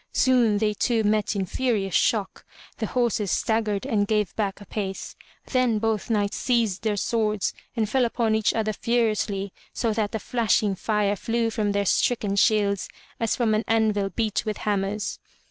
Soon they two met in furious shock; the horses staggered and gave back a pace. Then both knights seized their swords and fell upon each other furiously so that the flashing fire flew from their stricken shields as from an anvil beat with hammers.